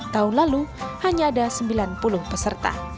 tahun lalu hanya ada sembilan puluh peserta